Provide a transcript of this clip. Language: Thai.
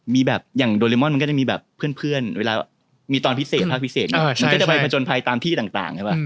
มีแบบอย่างโดเรมอนมันก็จะมีแบบเพื่อนเวลามีตอนพิเศษภาคพิเศษเนี่ยมันก็จะไปผจญภัยตามที่ต่างใช่ป่ะ